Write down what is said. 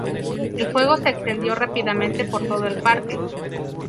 El fuego se extendió rápidamente por todo el parque.